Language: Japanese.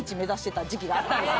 があったんです。